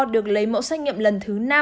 được lấy mẫu xét nghiệm lần thứ năm